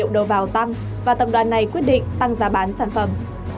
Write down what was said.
đầu vào tăng và tập đoàn này quyết định tăng giá bán sản phẩm